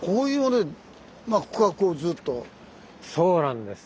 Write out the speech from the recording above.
そうなんです。